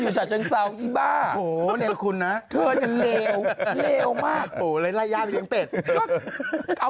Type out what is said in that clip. อยู่บ้านมศเออ